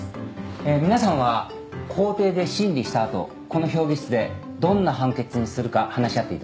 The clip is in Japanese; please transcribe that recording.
皆さんは法廷で審理した後この評議室でどんな判決にするか話し合っていただきます。